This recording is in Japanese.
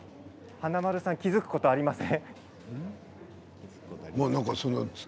華丸さん気付くことありません？